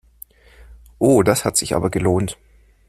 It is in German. Oh, das hat sich aber gelohnt!